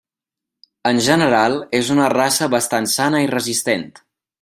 En general és una raça bastant sana i resistent.